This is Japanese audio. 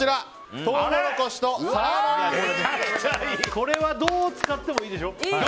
これはどう使ってもいいでしょ。